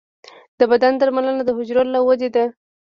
د بدن درملنه د حجرو له ودې ده.